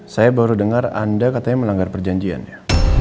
saya baru dengar anda katanya melanggar perjanjian ya